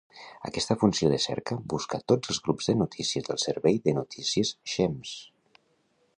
Aquesta funció de cerca busca tots els grups de notícies del servei de notícies Shemes.